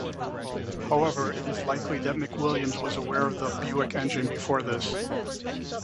However, it is likely that McWilliams was aware of the Buick engine before this.